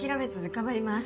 頑張ります。